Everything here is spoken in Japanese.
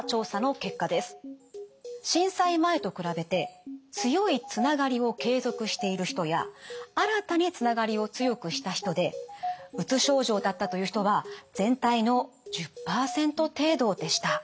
震災前と比べて強いつながりを継続している人や新たにつながりを強くした人でうつ症状だったという人は全体の１０％程度でした。